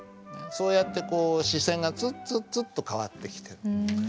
そうやってこう視線がツウツウツウと変わってきてる。